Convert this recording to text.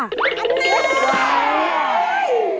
อันนี้